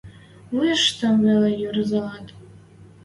Вуйыштым веле ӹрзӓлӹт: